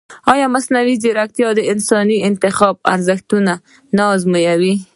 ایا مصنوعي ځیرکتیا د انساني انتخاب ارزښت نه ازموي؟